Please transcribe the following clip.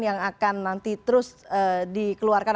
yang akan nanti terus dikeluarkan